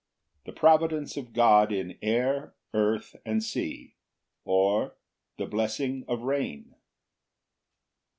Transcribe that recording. The providence of God in air, earth, and sea; or, The blessing of rain.